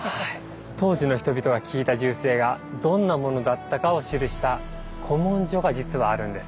当時の人々が聞いた銃声がどんなものだったかを記した古文書が実はあるんです。